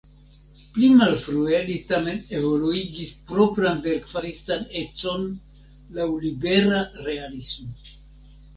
Pli malfrue li tamen evoluigis propran verkfaristan econ laŭ libera realismo.